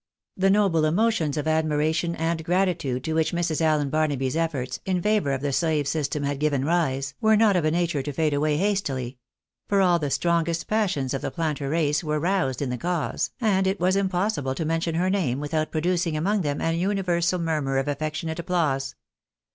The noble emotions of admiration and gratitude to which Mrs. Allen Barnaby's efforts in favour ot the slave system had given rise, were not of a nature to fade away hastily ; for all the strongest passions oi the planter race wer* roused in the cause, and it was impossible to mention her name without producing among them an universal murmur of affectionate applause.